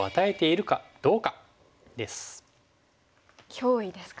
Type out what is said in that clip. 脅威ですか。